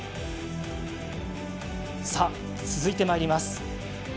続いてまいります。